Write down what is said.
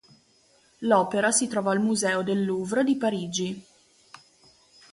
L'opera si trova al Museo del Louvre di Parigi.